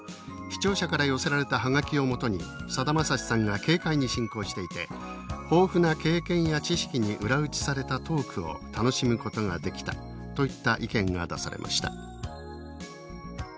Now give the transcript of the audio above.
視聴者から寄せられた葉書を基にさだまさしさんが軽快に進行していて豊富な経験や知識に裏打ちされたトークを楽しむことができた」といった意見が出されました。